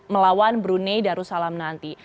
melawan brunei darussalam nanti